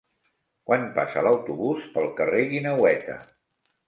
Quan passa l'autobús pel carrer Guineueta?